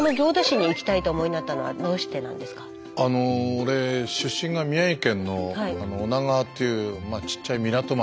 俺出身が宮城県の女川というちっちゃい港町。